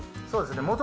そうですね。